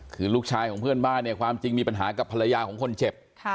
คือลูกชายของเพื่อนบ้านเนี่ยความจริงมีปัญหากับภรรยาของคนเจ็บ